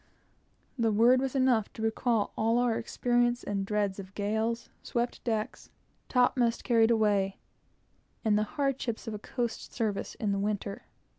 That word was enough to recall all our experiences and dreads of gales, swept decks, topmast carried away, and the hardships of a coast service in the winter.